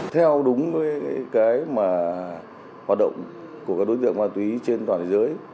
theo đúng với cái mà hoạt động của các đối tượng ma túy trên toàn thế giới